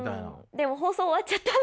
でも放送終わっちゃったので。